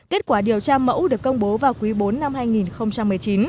kết quả điều tra mẫu được công bố vào quý bốn năm hai nghìn một mươi chín